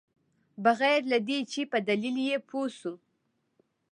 بغیر له دې چې په دلیل یې پوه شوو.